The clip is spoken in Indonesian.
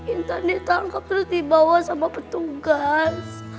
intan ditangkap terus dibawa sama petugas